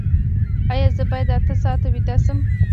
ایا زه باید اته ساعته ویده شم؟